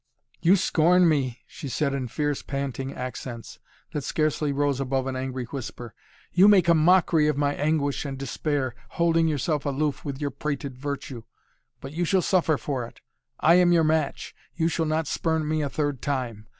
"You scorn me!" she said in fierce, panting accents, that scarcely rose above an angry whisper. "You make a mockery of my anguish and despair holding yourself aloof with your prated virtue! But you shall suffer for it! I am your match! You shall not spurn me a third time!